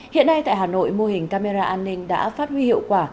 hiện nay tại hà nội mô hình camera an ninh đã phát huy hiệu quả